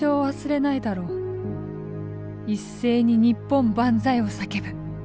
一斉に日本万歳を叫ぶ。